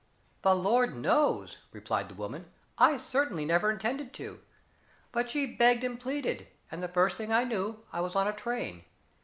"The Lord knows," replied the woman. "I certainly never intended to, but she begged and pleaded, and the first thing I knew, I was on a train.